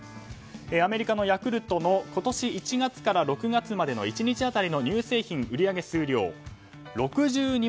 アメリカのヤクルトの今年１月から６月の１日当たりの乳製品売り上げ数量６２万６０００本。